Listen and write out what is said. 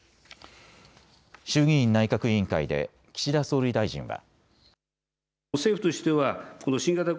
衆議院内閣委員会で岸田総理大臣は。